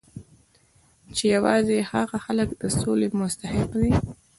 چې یوازې هغه خلک د سولې مستحق دي